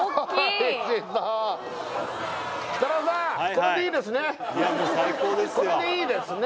これでいいですね？